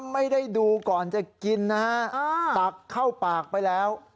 ไม่ได้ดูก่อนจะกินนะฮะตักเข้าปากไปแล้ว